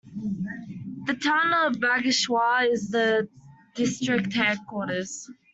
The town of Bageshwar is the district headquarters.